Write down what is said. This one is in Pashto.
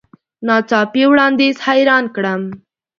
نا څاپي وړاندیز حیران کړم .